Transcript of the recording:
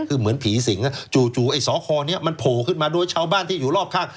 คือเหมือนผีสิงจู่ไอ้สอคอนี้มันโผล่ขึ้นมาโดยชาวบ้านที่อยู่รอบข้าง